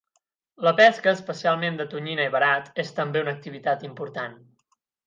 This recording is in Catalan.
La pesca, especialment de tonyina i verat, és també una activitat important.